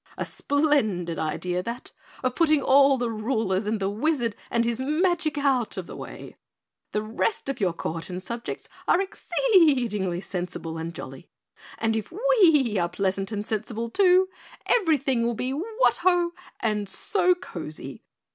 A splendid idea, that, of putting all the rulers and the Wizard and his magic out of the way. The rest of your court and subjects are exceedingly sensible and jolly, and if we are pleasant and sensible too, everything will be 'What ho and so cozy!'